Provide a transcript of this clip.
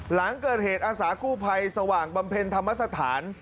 หลังเกิดเหตุอาสากู้ภัยสว่างบำเพ็ญธรรมสถาน